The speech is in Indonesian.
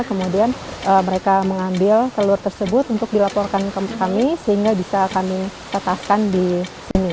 kemudian mereka mengambil telur tersebut untuk dilaporkan ke kami sehingga bisa kami tetapkan di sini